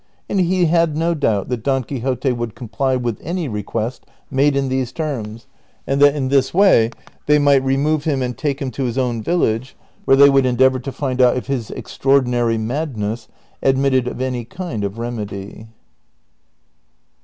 And he had no doubt that Don Quixote would comply with any request made in these terms, and that in this way they might remove him and take him to his own village, where they would endeavor to find out if his extraor dinary madness admitted of any kind of remedy.